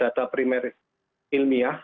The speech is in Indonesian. dan kita akan mempunyai program yang sangat berilmiah